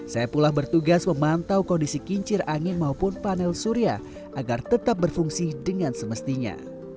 saya pula bertugas memantau kondisi kincir angin maupun panel surya agar tetap berfungsi dengan semestinya